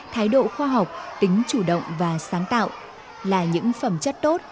thái độ khoa học tính chủ động và sáng tạo là những phẩm chất tốt